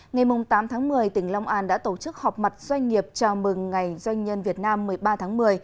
ngày tám tháng một mươi tỉnh long an đã tổ chức họp mặt doanh nghiệp chào mừng ngày doanh nhân việt nam một mươi ba tháng một mươi